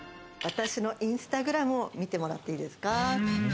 私のインスタグラムを見てもらっていいですか？